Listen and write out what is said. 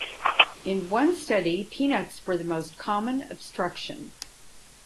In one study, peanuts were the most common obstruction.